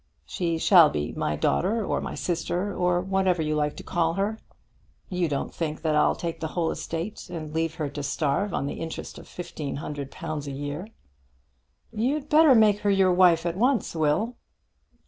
"She shall be my daughter, or my sister, or whatever you like to call her. You don't think that I'll take the whole estate and leave her to starve on the interest of fifteen hundred pounds a year!" "You'd better make her your wife at once, Will."